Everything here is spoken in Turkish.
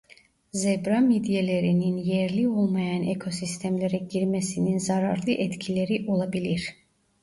Zebra midyelerinin yerli olmayan ekosistemlere girmesinin zararlı etkileri olabilir.